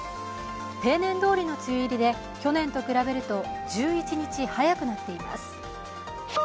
平年どおりの梅雨入りで、去年と比べると１１日早くなっています。